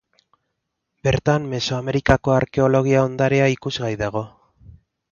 Bertan, Mesoamerikako arkeologia ondarea ikusgai dago.